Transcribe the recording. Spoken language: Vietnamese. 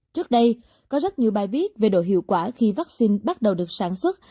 trước đây có rất nhiều bài viết về độ hiệu quả khi vaccine bắt đầu được sản xuất